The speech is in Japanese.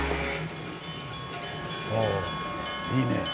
おいいね。